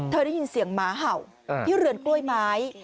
ได้ยินเสียงหมาเห่าที่เรือนกล้วยไม้